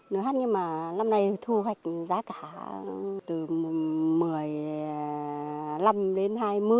lửa hát nhưng mà năm nay thu hoạch giá cả từ một mươi năm đến hai mươi